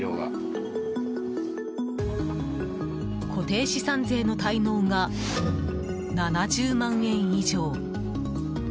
固定資産税の滞納が７０万円以上。